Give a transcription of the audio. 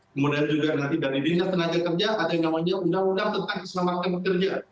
kemudian juga nanti dari dinas tenaga kerja ada yang namanya undang undang tentang keselamatan pekerja